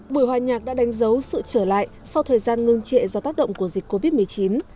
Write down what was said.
buổi hòa nhạc đã đánh dấu sự trở lại sau thời gian ngưng trệ do tác động của dịch covid một mươi chín